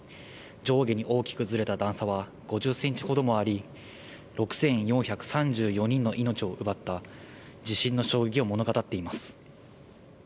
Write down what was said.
上下に大きくずれた段差は５０センチほどもあり、６４３４人の命を奪った、地震の衝撃を物語っています。